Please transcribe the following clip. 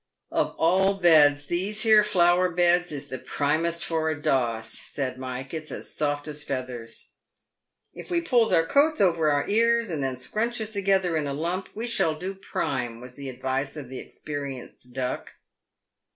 " Of all beds these here flower beds is the primest for a doss," said Mike, " it's as soft as feathers !"" If we pulls our coats over our ears, and then scrunches together in a lump, we shall do prime," was the advice of the experienced Duck.